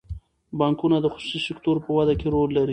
بانکونه د خصوصي سکتور په وده کې رول لري.